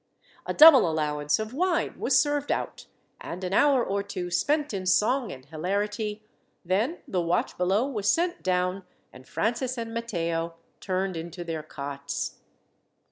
A double allowance of wine was served out, and an hour or two spent in song and hilarity; then the watch below was sent down, and Francis and Matteo turned into their cots.